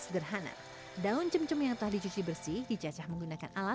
pekak bagus penglipuran